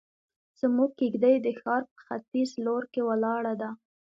زموږ کيږدۍ د ښار په ختيز لور کې ولاړه ده.